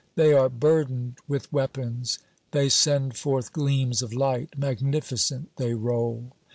They are burdened with weapons; they send forth gleams of light; magnificent they roll.